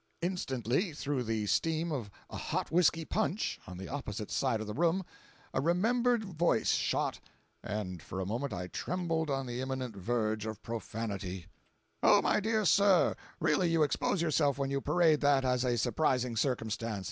Instantly, through the steam of a hot whiskey punch on the opposite side of the room, a remembered voice shot—and for a moment I trembled on the imminent verge of profanity: "Oh, my dear sir, really you expose yourself when you parade that as a surprising circumstance.